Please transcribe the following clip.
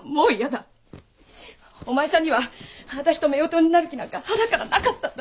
お前さんには私と夫婦になる気なんかはなからなかったんだ！